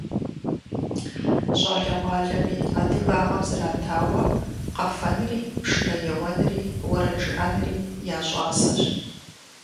ЩӀалэгъуалэми адыгагъэм зратауэ къэфэнри, пшынэ еуэнри, уэрэд жыӀэнри я щӀасэщ.